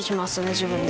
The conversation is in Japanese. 「自分で？」